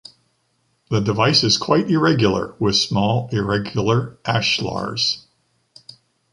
The device is quite irregular, with small irregular ashlars.